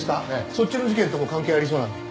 そっちの事件とも関係ありそうなんで。